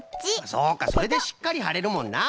そうかそれでしっかりはれるもんな。